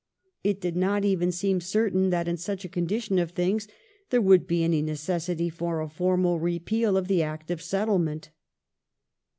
It did not even seem certain that in such a condition of things there would be any necessity for a formal repeal of the Act of Settlement.